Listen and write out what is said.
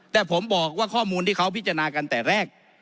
แต่ผมบอกว่าข้อมูลที่เขาพิจารณากันแต่แรก